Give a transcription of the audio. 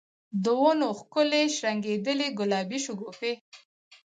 د ونو ښکلي شرنګیدلي ګلابې شګوفي